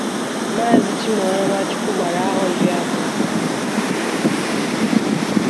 Maazị Chịmụanya Nwachukwu gbara ahọ iri abụọ